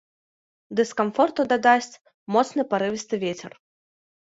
Дыскамфорту дадасць моцны парывісты вецер.